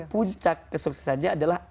puncak kesuksesannya adalah